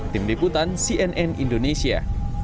tim liputan cnn indonesia